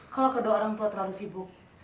kalau kedua orang tua terlalu sibuk